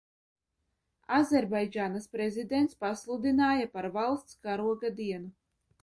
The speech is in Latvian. Azerbaidžānas prezidents pasludināja par valsts karoga dienu.